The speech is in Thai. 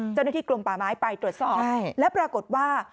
เจ้าหน้าที่กรมป่าไม้ไปตรวจสอบและปรากฏว่า